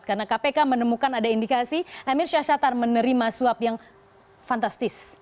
karena kpk menemukan ada indikasi emir syahsyatar menerima suap yang fantastis